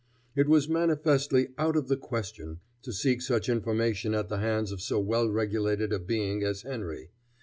It was manifestly out of the question to seek such information at the hands of so well regulated a being as Henry.